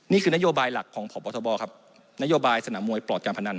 นี่คือนโยบายหลักของพบทบครับนโยบายสนามมวยปลอดการพนัน